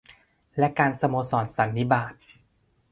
และการสโมสรสันนิบาต